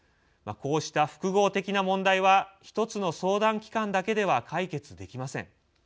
こうした複合的な問題は１つの相談機関だけでは解決できません。